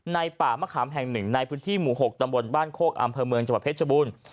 ป่ามะขามแห่งหนึ่งในพื้นที่หมู่๖ตำบลบ้านโคกอำเภอเมืองจังหวัดเพชรบูรณ์